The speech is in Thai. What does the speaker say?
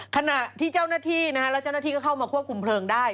ขณะที่เจ้าหน้าที่นะฮะแล้วเจ้าหน้าที่ก็เข้ามาควบคุมเพลิงได้